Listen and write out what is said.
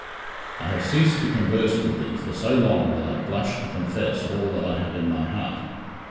I have ceased to converse with thee for so long that I blush to confess all that I have in my heart.